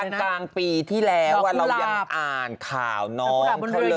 เมื่อตอนกลางปีที่แล้วว่าเรายังอ่านข่าวน้อง